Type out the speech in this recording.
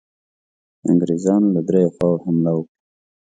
انګرېزانو له دریو خواوو حمله وکړه.